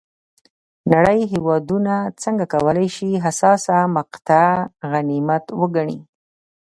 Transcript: نړۍ هېوادونه څنګه کولای شي حساسه مقطعه غنیمت وګڼي.